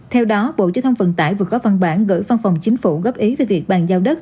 theo đó bộ giao thông vận tải vừa có văn bản gửi văn phòng chính phủ góp ý về việc bàn giao đất